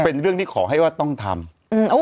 เป็นเรื่องที่ขอให้ว่าต้องทำ